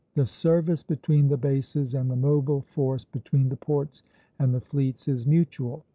The service between the bases and the mobile force between the ports and the fleets is mutual.